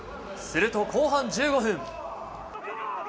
すると、後半１５分。